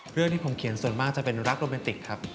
เรื่องที่ผมเขียนส่วนมากจะเป็นรักโรแมนติกครับ